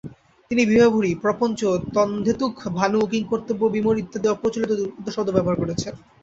তিনি বিভাবরী, প্রপঞ্চ, তদ্ধেতুক, ভাণু, কিংকর্তব্যবিমূঢ় ইত্যাদি অপ্রচলিত দুর্বোধ্য শব্দ ব্যবহার করেছেন।